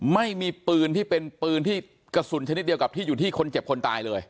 ไม่มีปืนที่เป็นปืนที่กระสุนชนิดเดียวกับที่อยู่ที่คนเจ็บคนตายเลย